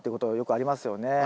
ありますね。